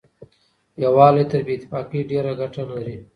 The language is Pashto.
يووالی تر بې اتفاقۍ ډېره ګټه لري.